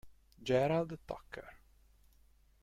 Gerald Tucker